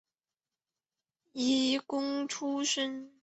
廪贡出身。